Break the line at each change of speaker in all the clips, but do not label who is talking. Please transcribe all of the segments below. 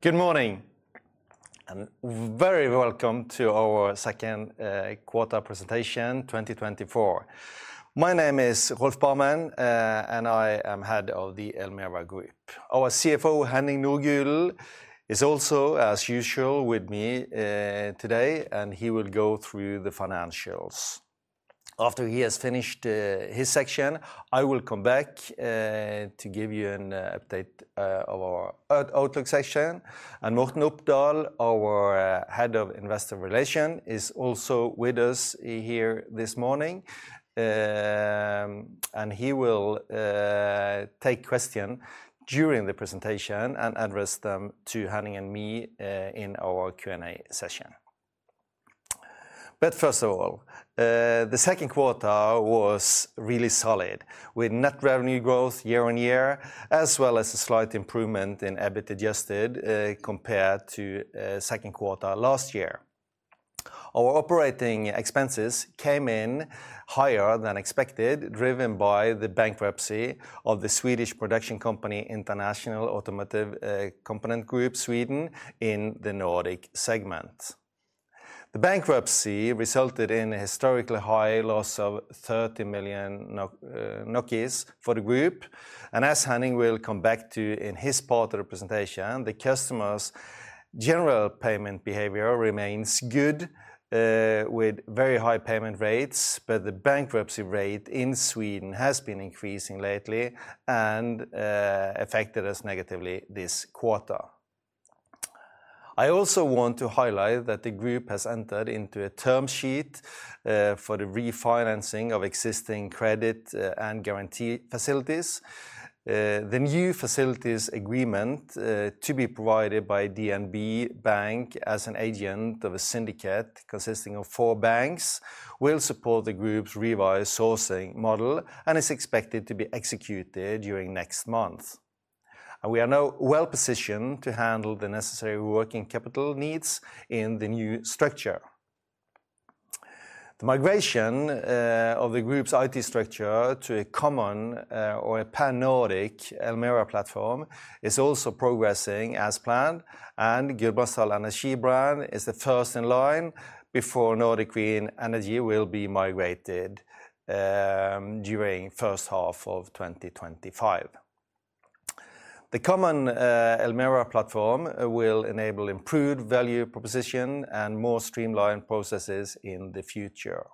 Good morning, and very welcome to our second quarter presentation, 2024. My name is Rolf Barmen, and I am head of the Elmera Group. Our CFO, Henning Nordgulen, is also, as usual, with me today, and he will go through the financials. After he has finished his section, I will come back to give you an update of our outlook section, and Morten A. W. Opdal, our Head of Investor Relations, is also with us here this morning. And he will take questions during the presentation and address them to Henning and me in our Q&A session. But first of all, the second quarter was really solid, with net revenue growth year-over-year, as well as a slight improvement in EBIT adjusted, compared to second quarter last year. Our operating expenses came in higher than expected, driven by the bankruptcy of the Swedish production company, International Automotive Components Group Sweden, in the Nordic segment. The bankruptcy resulted in a historically high loss of 30 million for the group, and as Henning will come back to in his part of the presentation, the customer's general payment behavior remains good, with very high payment rates, but the bankruptcy rate in Sweden has been increasing lately and, affected us negatively this quarter. I also want to highlight that the group has entered into a term sheet, for the refinancing of existing credit, and guarantee facilities. The new facilities agreement, to be provided by DNB Bank as an agent of a syndicate consisting of 4 banks, will support the group's revised sourcing model and is expected to be executed during next month. We are now well positioned to handle the necessary working capital needs in the new structure. The migration of the group's IT structure to a common or a pan-Nordic Elmera platform is also progressing as planned, and Gudbrandsdal Energi brand is the first in line before Nordic Green Energy will be migrated during H1 of 2025. The common Elmera platform will enable improved value proposition and more streamlined processes in the future.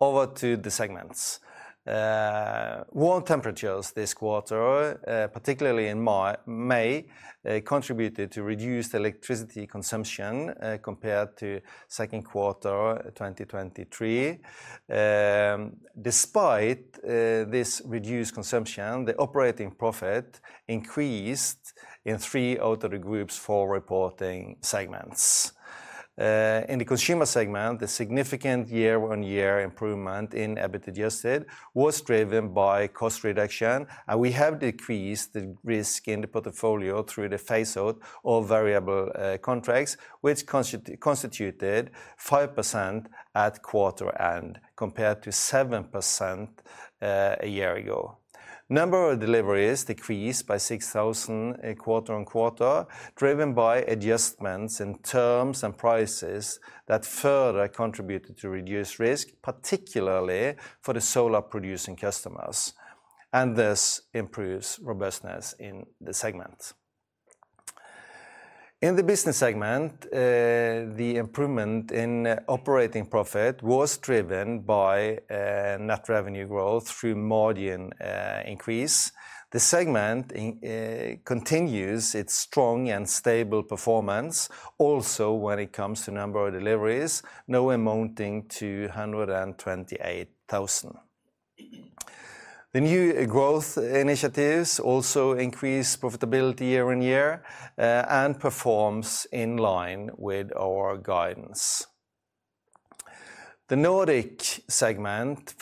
Over to the segments. Warm temperatures this quarter, particularly in May, contributed to reduced electricity consumption compared to second quarter 2023. Despite this reduced consumption, the operating profit increased in three out of the group's four reporting segments. In the consumer segment, the significant year-on-year improvement in EBIT adjusted was driven by cost reduction, and we have decreased the risk in the portfolio through the phase-out of variable contracts, which constituted 5% at quarter end, compared to 7% a year ago. Number of deliveries decreased by 6,000 quarter-on-quarter, driven by adjustments in terms and prices that further contributed to reduced risk, particularly for the solar-producing customers, and this improves robustness in the segment. In the business segment, the improvement in operating profit was driven by net revenue growth through margin increase. The segment continues its strong and stable performance, also when it comes to number of deliveries, now amounting to 128,000. The new growth initiatives also increase profitability year-on-year and performs in line with our guidance. The Nordic segment's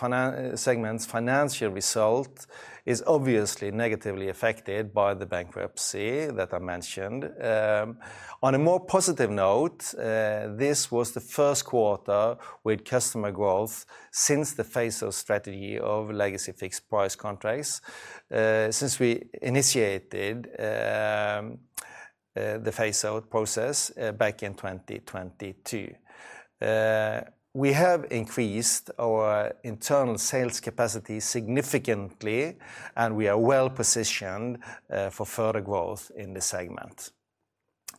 financial result is obviously negatively affected by the bankruptcy that I mentioned. On a more positive note, this was the first quarter with customer growth since the phase-out strategy of legacy fixed price contracts, since we initiated, the phase-out process back in 2022. We have increased our internal sales capacity significantly, and we are well positioned, for further growth in this segment.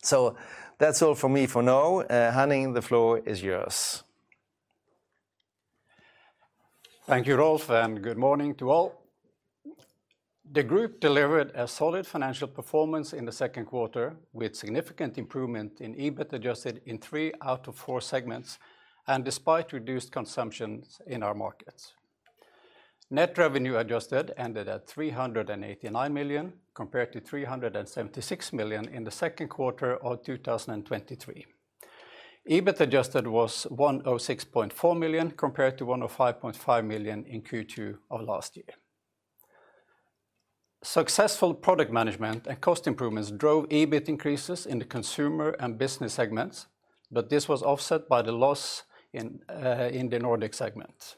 So that's all for me for now. Henning, the floor is yours.
Thank you, Rolf, and good morning to all. The group delivered a solid financial performance in the second quarter, with significant improvement in EBIT adjusted in three out of four segments and despite reduced consumption in our markets. Net revenue adjusted ended at 389 million, compared to 376 million in the second quarter of 2023. EBIT adjusted was 106.4 million, compared to 105.5 million in Q2 of last year. Successful product management and cost improvements drove EBIT increases in the consumer and business segments, but this was offset by the loss in the Nordic segment.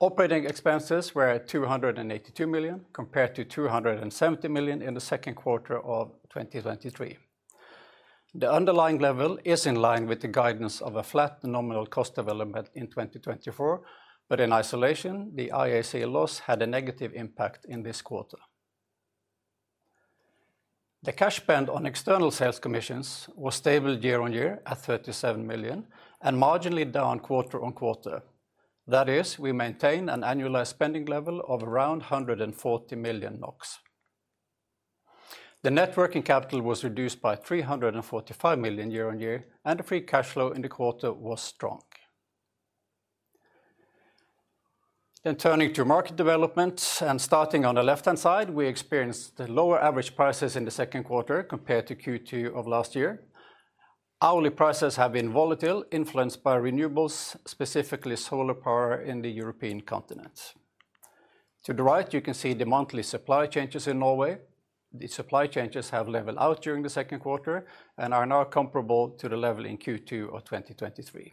Operating expenses were at 282 million, compared to 270 million in the second quarter of 2023. The underlying level is in line with the guidance of a flat nominal cost development in 2024, but in isolation, the IAC loss had a negative impact in this quarter. The cash spend on external sales commissions was stable year-over-year, at 37 million, and marginally down quarter-over-quarter. That is, we maintain an annualized spending level of around 140 million NOK. The net working capital was reduced by 345 million year-over-year, and the free cash flow in the quarter was strong. Then turning to market development, and starting on the left-hand side, we experienced the lower average prices in the second quarter compared to Q2 of last year. Hourly prices have been volatile, influenced by renewables, specifically solar power in the European continent. To the right, you can see the monthly supply changes in Norway. The supply changes have leveled out during the second quarter and are now comparable to the level in Q2 of 2023.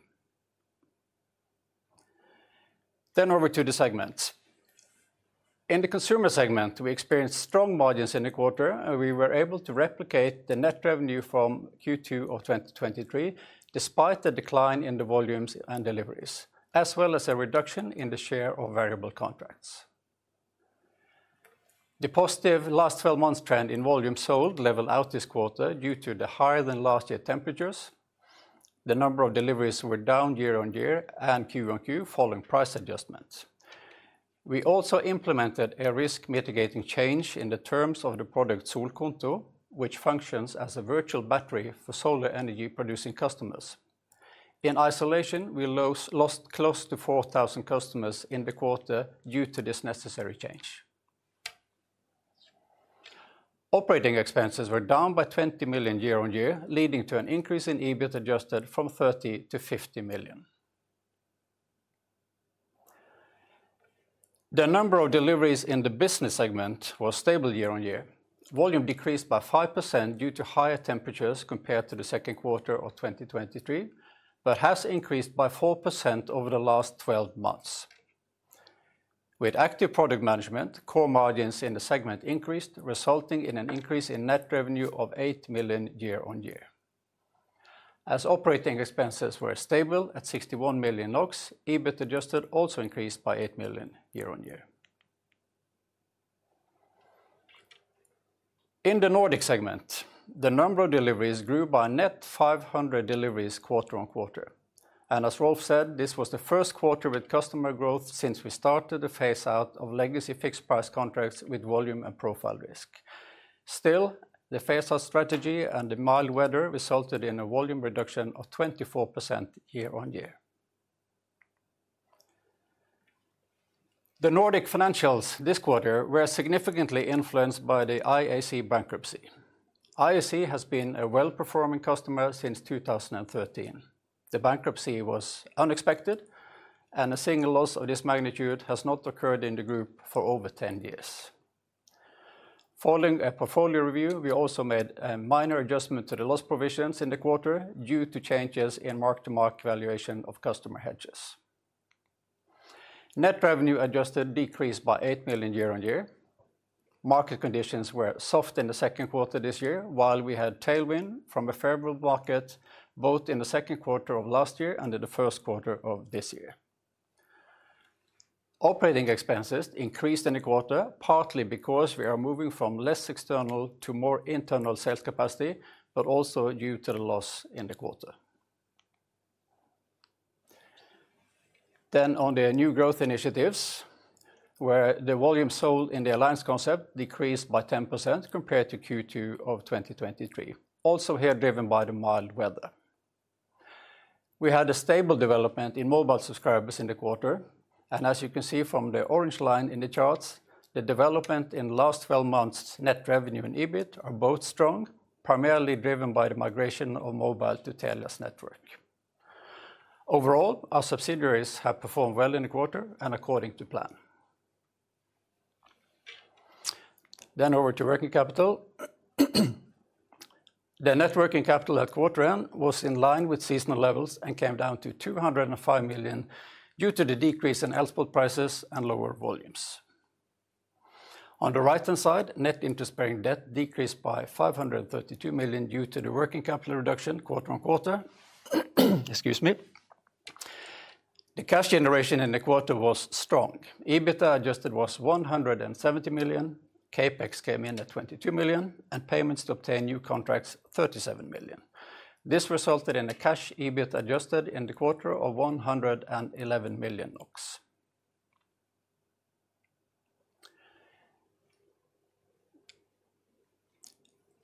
Then over to the segments. In the consumer segment, we experienced strong margins in the quarter, and we were able to replicate the net revenue from Q2 of 2023, despite the decline in the volumes and deliveries, as well as a reduction in the share of variable contracts. The positive last twelve months trend in volume sold leveled out this quarter due to the higher than last year temperatures. The number of deliveries were down year-on-year and Q-on-Q, following price adjustments. We also implemented a risk mitigating change in the terms of the product Solkonto, which functions as a virtual battery for solar energy-producing customers. In isolation, we lost close to 4,000 customers in the quarter due to this necessary change. Operating expenses were down by 20 million year-on-year, leading to an increase in EBIT adjusted from 30 million - 50 million. The number of deliveries in the business segment was stable year-on-year. Volume decreased by 5% due to higher temperatures compared to the second quarter of 2023, but has increased by 4% over the last twelve months. With active product management, core margins in the segment increased, resulting in an increase in net revenue of 8 million year-on-year. As operating expenses were stable at 61 million NOK, EBIT adjusted also increased by 8 million year-on-year. In the Nordic segment, the number of deliveries grew by net 500 deliveries quarter-on-quarter, and as Rolf said, this was the first quarter with customer growth since we started the phase out of legacy fixed price contracts with volume and profile risk. Still, the phase out strategy and the mild weather resulted in a volume reduction of 24% year-on-year. The Nordic financials this quarter were significantly influenced by the IAC bankruptcy. IAC has been a well-performing customer since 2013. The bankruptcy was unexpected, and a single loss of this magnitude has not occurred in the group for over 10 years. Following a portfolio review, we also made a minor adjustment to the loss provisions in the quarter due to changes in mark-to-market valuation of customer hedges. Net revenue adjusted decreased by 8 million year-on-year. Market conditions were soft in the second quarter this year, while we had tailwind from a favorable market, both in the second quarter of last year and in the first quarter of this year. Operating expenses increased in the quarter, partly because we are moving from less external to more internal sales capacity, but also due to the loss in the quarter. On the new growth initiatives, where the volume sold in the alliance concept decreased by 10% compared to Q2 of 2023, also here driven by the mild weather. We had a stable development in mobile subscribers in the quarter, and as you can see from the orange line in the charts, the development in last 12 months' net revenue and EBIT are both strong, primarily driven by the migration of mobile to Telia's network. Overall, our subsidiaries have performed well in the quarter and according to plan. Over to working capital. The net working capital at quarter end was in line with seasonal levels and came down to 205 million due to the decrease in export prices and lower volumes. On the right-hand side, net interest-bearing debt decreased by 532 million due to the working capital reduction quarter on quarter. Excuse me. The cash generation in the quarter was strong. EBITDA adjusted was 170 million, CapEx came in at 22 million, and payments to obtain new contracts, 37 million. This resulted in a cash EBIT adjusted in the quarter of 111 million NOK.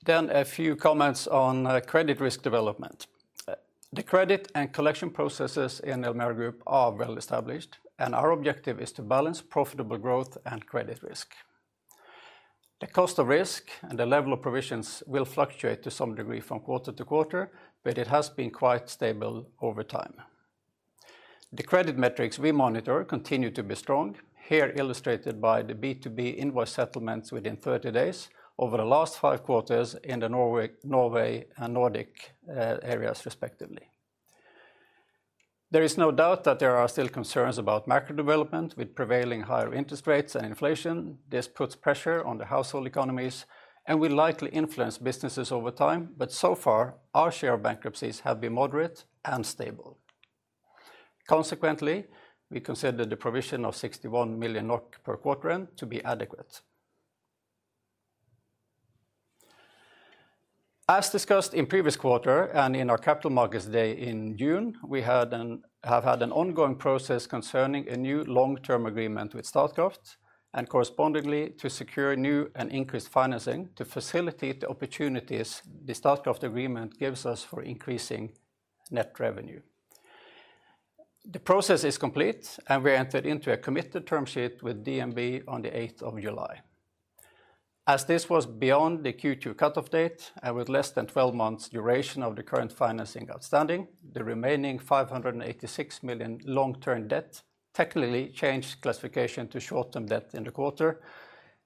Then a few comments on credit risk development. The credit and collection processes in the Elmera group are well-established, and our objective is to balance profitable growth and credit risk. The cost of risk and the level of provisions will fluctuate to some degree from quarter to quarter, but it has been quite stable over time. The credit metrics we monitor continue to be strong, here illustrated by the B2B invoice settlements within 30 days over the last 5 quarters in the Norway, Norway and Nordic areas, respectively.... There is no doubt that there are still concerns about macro development with prevailing higher interest rates and inflation. This puts pressure on the household economies and will likely influence businesses over time, but so far, our share of bankruptcies have been moderate and stable. Consequently, we consider the provision of 61 million NOK per quarter end to be adequate. As discussed in previous quarter and in our Capital Markets Day in June, we have had an ongoing process concerning a new long-term agreement with Statkraft, and correspondingly, to secure new and increased financing to facilitate the opportunities the Statkraft agreement gives us for increasing net revenue. The process is complete, and we entered into a committed term sheet with DNB on the eighth of July. As this was beyond the Q2 cutoff date and with less than 12 months duration of the current financing outstanding, the remaining 586 million long-term debt technically changed classification to short-term debt in the quarter.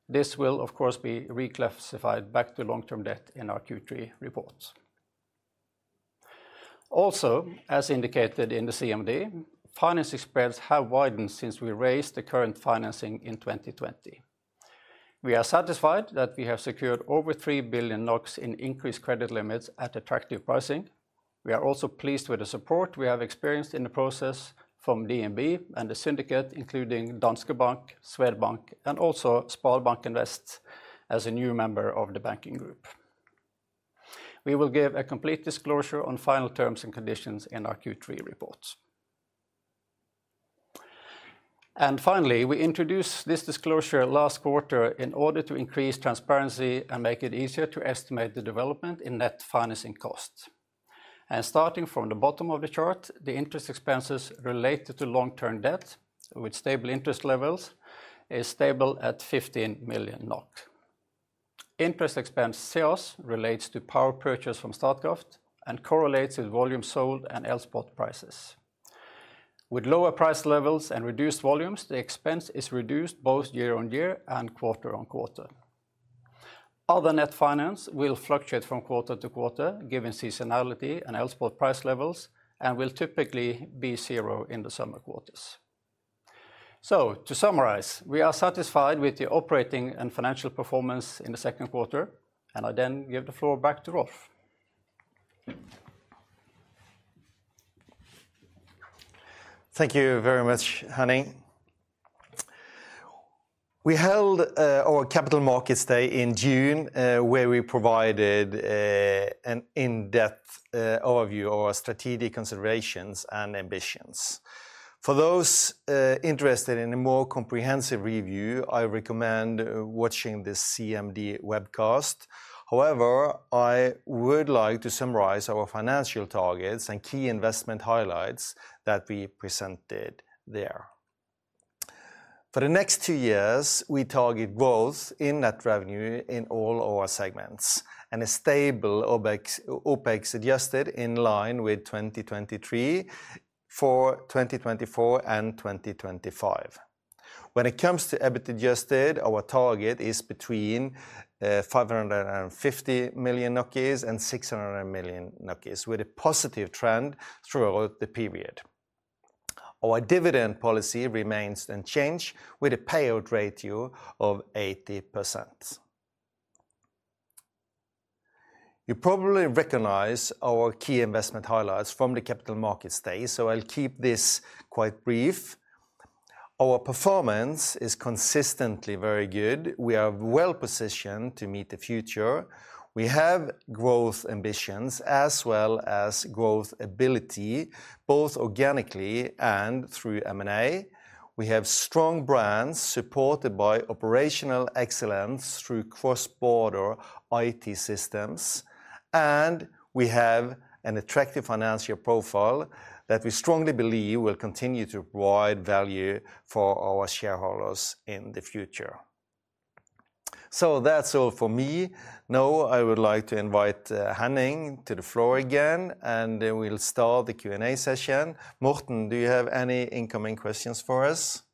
This will, of course, be reclassified back to long-term debt in our Q3 reports. Also, as indicated in the CMD, financing spreads have widened since we raised the current financing in 2020. We are satisfied that we have secured over 3 billion NOK in increased credit limits at attractive pricing. We are also pleased with the support we have experienced in the process from DNB and the syndicate, including Danske Bank, Swedbank, and also Sparebanken Vest as a new member of the banking group. We will give a complete disclosure on final terms and conditions in our Q3 reports. Finally, we introduced this disclosure last quarter in order to increase transparency and make it easier to estimate the development in net financing costs. Starting from the bottom of the chart, the interest expenses related to long-term debt, with stable interest levels, is stable at 15 million NOK. Interest expense sales relates to power purchase from Statkraft and correlates with volume sold and Elspot prices. With lower price levels and reduced volumes, the expense is reduced both year-on-year and quarter-on-quarter. Other net finance will fluctuate from quarter to quarter, given seasonality and Elspot price levels, and will typically be zero in the summer quarters. So to summarize, we are satisfied with the operating and financial performance in the second quarter, and I then give the floor back to Rolf.
Thank you very much, Henning. We held our Capital Markets Day in June, where we provided an in-depth overview of our strategic considerations and ambitions. For those interested in a more comprehensive review, I recommend watching the CMD webcast. However, I would like to summarize our financial targets and key investment highlights that we presented there. For the next two years, we target growth in net revenue in all our segments, and a stable OpEx, OpEx adjusted in line with 2023 for 2024 and 2025. When it comes to EBIT adjusted, our target is between 550 million and 600 million, with a positive trend throughout the period. Our dividend policy remains unchanged, with a payout ratio of 80%. You probably recognize our key investment highlights from the Capital Markets Day, so I'll keep this quite brief. Our performance is consistently very good. We are well-positioned to meet the future. We have growth ambitions, as well as growth ability, both organically and through M&A. We have strong brands supported by operational excellence through cross-border IT systems, and we have an attractive financial profile that we strongly believe will continue to provide value for our shareholders in the future. So that's all for me. Now, I would like to invite Henning to the floor again, and then we'll start the Q&A session. Morten, do you have any incoming questions for us?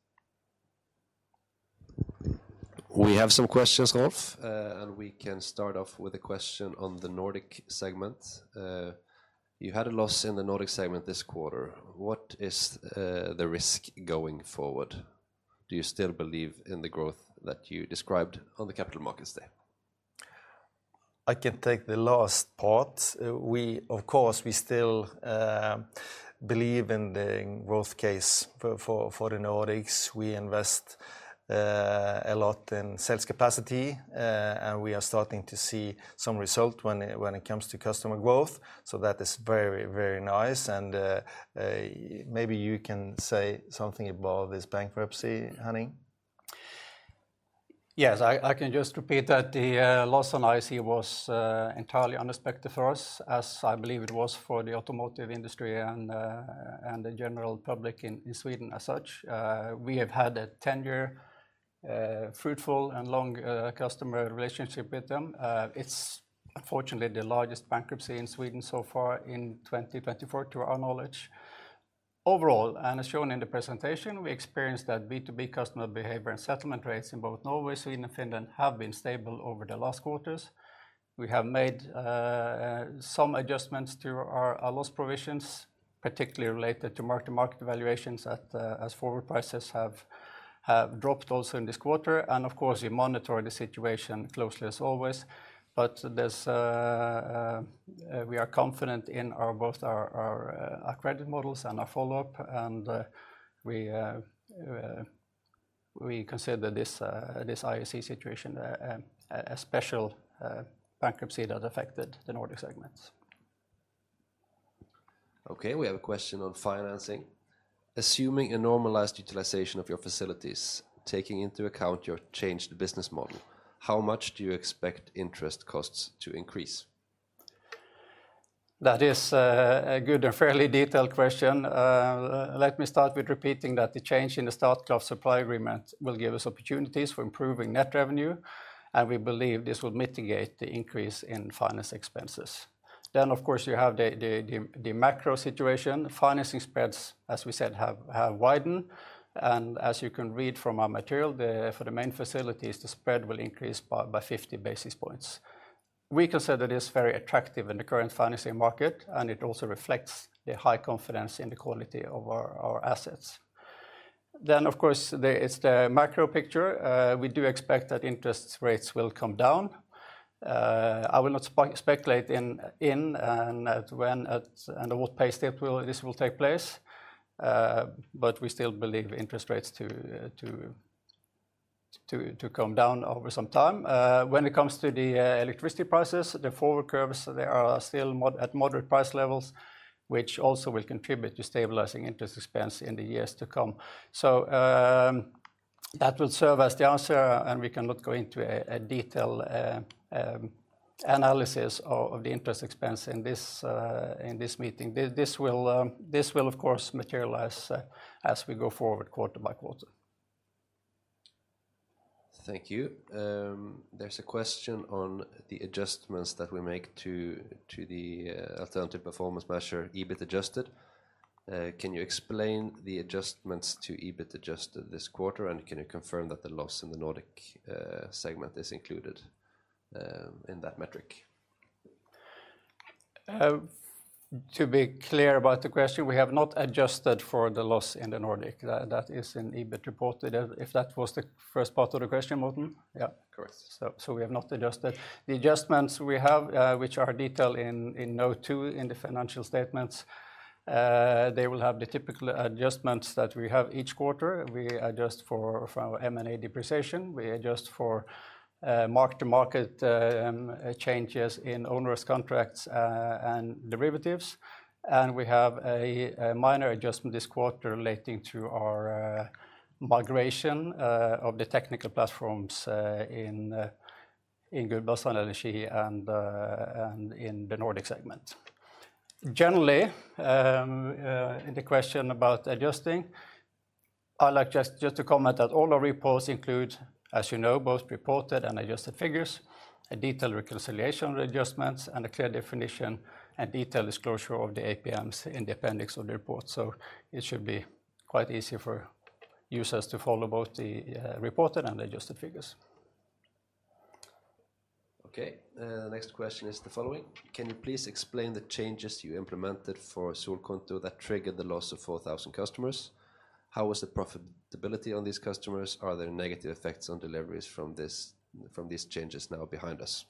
We have some questions, Rolf, and we can start off with a question on the Nordic segment. You had a loss in the Nordic segment this quarter. What is the risk going forward? Do you still believe in the growth that you described on the Capital Markets Day?
I can take the last part. We, of course, we still believe in the growth case for the Nordics. We invest a lot in sales capacity, and we are starting to see some result when it comes to customer growth, so that is very, very nice. And maybe you can say something about this bankruptcy, Henning?
Yes, I can just repeat that the loss on IAC was entirely unexpected for us, as I believe it was for the automotive industry and the general public in Sweden as such. We have had a 10-year fruitful and long customer relationship with them. It's unfortunately the largest bankruptcy in Sweden so far in 2024, to our knowledge. Overall, and as shown in the presentation, we experienced that B2B customer behavior and settlement rates in both Norway, Sweden, and Finland have been stable over the last quarters. We have made some adjustments to our loss provisions, particularly related to mark-to-market valuations at the, as forward prices have dropped also in this quarter. And of course, we monitor the situation closely as always. But we are confident in both our credit models and our follow-up, and we consider this IAC situation a special bankruptcy that affected the Nordic segments.
Okay, we have a question on financing: Assuming a normalized utilization of your facilities, taking into account your changed business model, how much do you expect interest costs to increase?
That is a good and fairly detailed question. Let me start with repeating that the change in the Statkraft supply agreement will give us opportunities for improving net revenue, and we believe this will mitigate the increase in finance expenses. Then, of course, you have the macro situation. Financing spreads, as we said, have widened, and as you can read from our material, for the main facilities, the spread will increase by 50 basis points. We consider this very attractive in the current financing market, and it also reflects the high confidence in the quality of our assets. Then, of course, there is the macro picture. We do expect that interest rates will come down. I will not speculate on when and at what pace it will... This will take place, but we still believe interest rates to come down over some time. When it comes to the electricity prices, the forward curves, they are still at moderate price levels, which also will contribute to stabilizing interest expense in the years to come. So, that will serve as the answer, and we cannot go into a detailed analysis of the interest expense in this meeting. This will, of course, materialize as we go forward quarter by quarter.
Thank you. There's a question on the adjustments that we make to the alternative performance measure, EBIT adjusted. Can you explain the adjustments to EBIT adjusted this quarter, and can you confirm that the loss in the Nordic segment is included in that metric?
To be clear about the question, we have not adjusted for the loss in the Nordic. That is in EBIT reported, if that was the first part of the question, Morten? Yeah.
Of course.
So we have not adjusted. The adjustments we have, which are detailed in note 2 in the financial statements, they will have the typical adjustments that we have each quarter. We adjust for our M&A depreciation, we adjust for mark-to-market changes in onerous contracts, and derivatives. And we have a minor adjustment this quarter relating to our migration of the technical platforms in Gudbrandsdal Energi and in the Nordic segment. Generally, in the question about adjusting, I'd like just to comment that all our reports include, as you know, both reported and adjusted figures, a detailed reconciliation of the adjustments, and a clear definition and detailed disclosure of the APMs in the appendix of the report. So it should be quite easy for users to follow both the reported and adjusted figures.
Okay, next question is the following: Can you please explain the changes you implemented for Solkonto that triggered the loss of 4,000 customers? How was the profitability on these customers? Are there negative effects on deliveries from this, from these changes now behind us?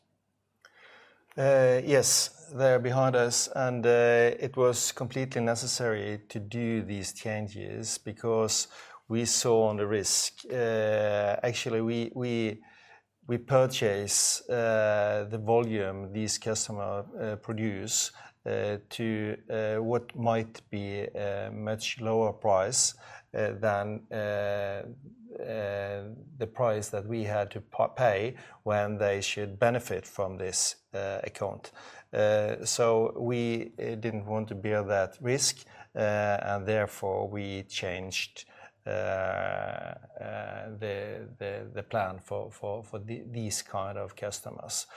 Yes, they are behind us, and it was completely necessary to do these changes because we saw on the risk. Actually, we purchased the volume these customers produce to what might be a much lower price than the price that we had to pay when they should benefit from this account. So we didn't want to bear that risk, and therefore, we changed the plan for these kind of customers.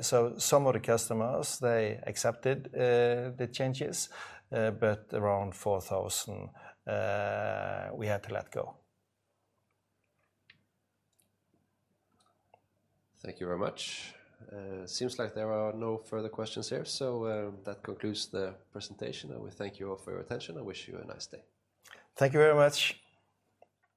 So some of the customers, they accepted the changes, but around 4,000, we had to let go.
Thank you very much. Seems like there are no further questions here, so, that concludes the presentation, and we thank you all for your attention and wish you a nice day.
Thank you very much.